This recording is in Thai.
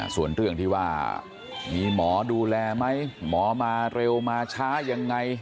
ส่วนเรื่องที่ว่ามีหมอดูแลไหมหมอมาเร็วมาช้ายังไง